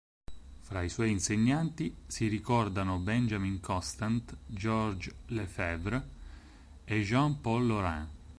Fra i suoi insegnanti si ricordano Benjamin Constant, Georges Lefebvre e Jean Paul Laurens.